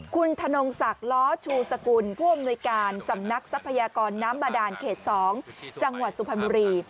คุณธนงศักดิ์ล้อชูสกุลผู้อำนวยการสำนักทรัพยากรน้ำบาดานเขต๒จังหวัดสุพรรณบุรี